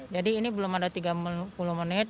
jadi ini belum ada tiga puluh menit